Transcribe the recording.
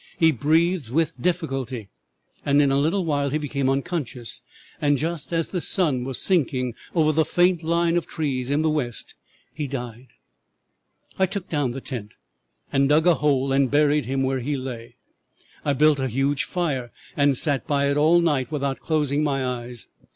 He breathed with difficulty, and in a little while became unconscious, and just as the sun was sinking over the faint line of trees in the west he died. "'I took down the tent and dug a hole and buried him where he lay. I built a huge fire and sat by it all night without closing my eyes.